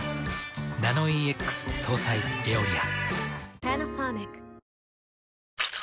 ナノイーＸ搭載「エオリア」。